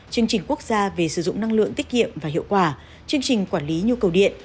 chương trình quốc gia về sử dụng năng lượng tiết kiệm và hiệu quả chương trình quản lý nhu cầu điện